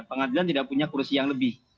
pengadilan tidak punya kursi yang lebih